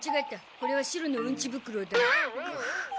これはシロのうんち袋だ。